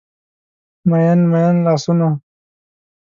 میین، میین لاسونه